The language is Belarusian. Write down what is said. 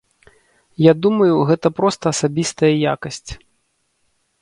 Я думаю, гэта проста асабістая якасць.